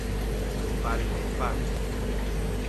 Preparen os panos.